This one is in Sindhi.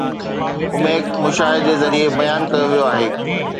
عميق مشاهدي ذريعي بيان ڪيو ويو آهي